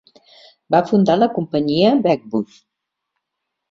Va fundar la companyia Wedgwood.